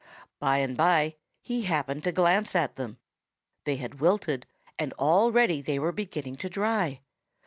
By and by he happened to glance at them. They had wilted and already they were beginning to dry.